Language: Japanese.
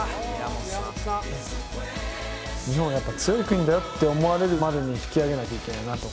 日本はやっぱり強い国だよって思われるまでに引き上げなきゃいけないなと。